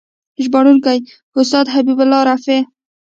ژباړونکی: استاد حبیب الله رفیع